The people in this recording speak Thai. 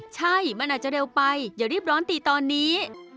ใช่มันอาจจะเร็วไปอย่ารีบร้อนตีตอนนี้